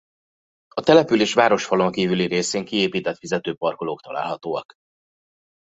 A település városfalon kívüli részén kiépített fizető parkolók találhatóak.